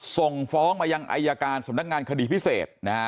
ส่งฟ้องมายังอายการสำนักงานคดีพิเศษนะฮะ